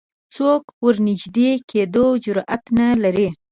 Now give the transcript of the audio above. څوک ورنژدې کېدو جرئت نه لري